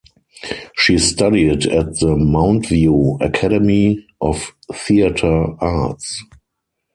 She studied at the Mountview Academy of Theatre Arts.